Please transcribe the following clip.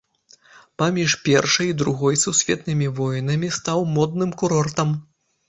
Паміж першай і другой сусветнымі войнамі стаў модным курортам.